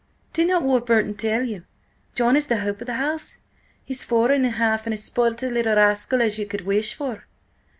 "Did not Warburton tell you? John is the hope of the house. He's four and a half, and as spoilt a little rascal as you could wish for."